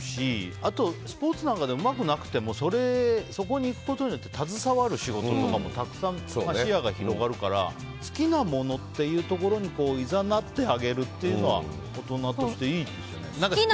あとは、スポーツなんかでうまくなくてもそこに行くことによって携わる仕事とかたくさん視野が広がるから好きなものっていうところにいざなってあげるというのは大人としていいですよね。